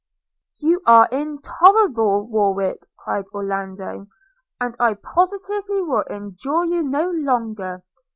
'You are intolerable, Warwick,' cried Orlando, 'and I positively will endure you no longer!'